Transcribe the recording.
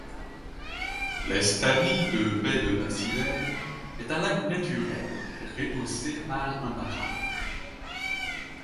L'Estany de Baix de Baciver est un lac naturel rehaussé par un barrage.